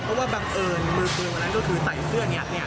เพราะว่าบังเอิญมือปืนวันนั้นก็คือใส่เสื้อยักษ์เนี่ย